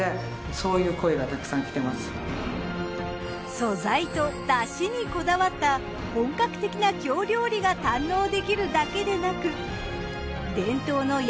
素材と出汁にこだわった本格的な京料理が堪能できるだけでなく伝統の山